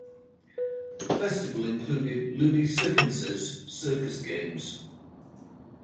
The festival included "ludi circenses", circus games.